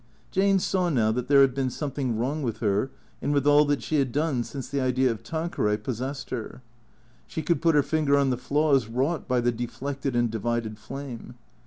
Jane saw now that there had been something wrong with her and with all that she had done since the idea of Tanqueray pos sessed her. She could put her finger on the flaws wrought by the deflected and divided flame.